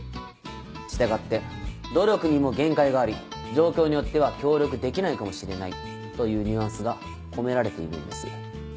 従って努力にも限界があり状況によっては協力できないかもしれないというニュアンスが込められているんです。